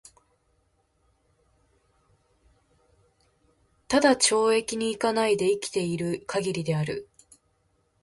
只懲役に行かないで生きて居る許りである。